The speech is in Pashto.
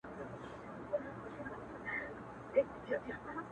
• یوه بل ته چي طبیب سي د زاړه پرهار حبیب سي ,